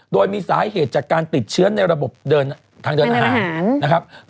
โดยมีสาเหตุจากการติดเชื้อในระบบทางเดินอาหาร